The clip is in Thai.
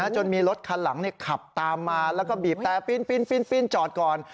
จนมีรถคันหลังขับตามมาแล้วก็บีบแต่ปีนจอดก่อน